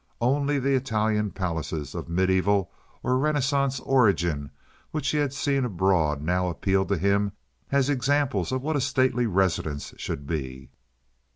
Only the Italian palaces of medieval or Renaissance origin which he had seen abroad now appealed to him as examples of what a stately residence should be.